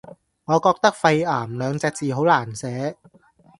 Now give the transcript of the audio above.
我覺得肺癌兩隻字好難寫